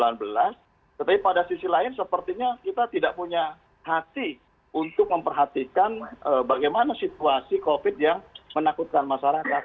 tetapi pada sisi lain sepertinya kita tidak punya hati untuk memperhatikan bagaimana situasi covid yang menakutkan masyarakat